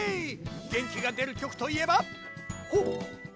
げんきがでるきょくといえばほっ。